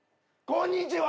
こんにちは！